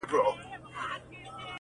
نزاکتونو ته به يې په درنه سترګه کتل